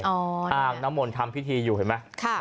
อ่านน้ำมนด้วยอ๊าน้ำมนทำพิธีอยู่เหมือนไหมค่ะ